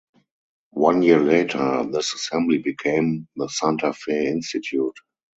One year later, this assembly became the Santa Fe Institute.